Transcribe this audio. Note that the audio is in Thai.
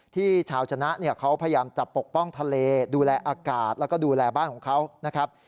ที่ชาวชนะเนี่ยเขาพยายามจะปกป้องทะเลดูแลอากาศแล้วก็ดูแลบ้านของเขานะครับ